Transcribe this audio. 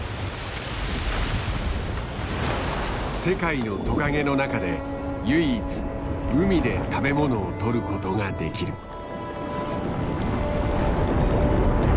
世界のトカゲの中で唯一海で食べものをとることができる。